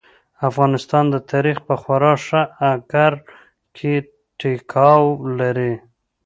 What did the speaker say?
افغانستان د تاريخ په خورا ښه اکر کې ټيکاو لري.